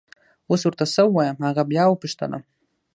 اوس ور ته څه ووایم! هغه بیا وپوښتلم.